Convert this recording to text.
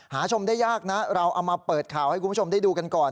ชมได้ยากนะเราเอามาเปิดข่าวให้คุณผู้ชมได้ดูกันก่อน